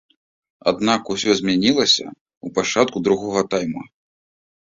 Аднак усё змянілася ў пачатку другога тайма.